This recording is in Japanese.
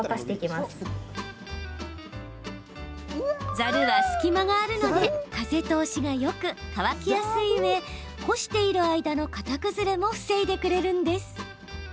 ザルは隙間があるので風通しがよく、乾きやすいうえ干している間の形崩れも防いでくれるんです。